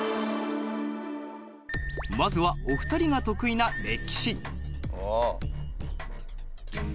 まずはお二人が得意な歴史。